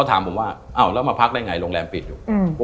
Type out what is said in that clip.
อ้าวแล้วมาพักได้ไงโรงแรมปิดอยู่